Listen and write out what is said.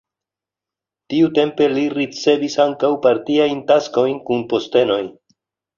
Tiutempe li ricevis ankaŭ partiajn taskojn kun postenoj.